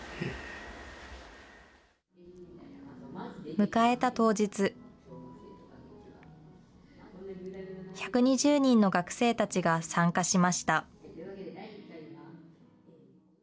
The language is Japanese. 迎えた当日、１２０人の学生たちが参加しました。